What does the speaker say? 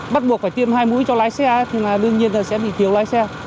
bắt buộc phải tiêm hai mũi cho lái xe nhưng mà đương nhiên là sẽ bị thiếu lái xe